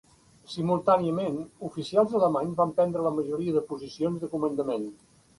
Simultàniament, oficials alemanys van prendre la majoria de posicions de comandament.